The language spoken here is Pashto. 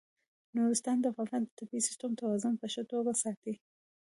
نورستان د افغانستان د طبعي سیسټم توازن په ښه توګه ساتي.